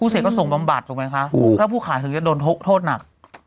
เสร็จก็ส่งบำบัดถูกไหมคะถ้าผู้ขายถึงจะโดนทกโทษหนัก